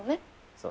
そう。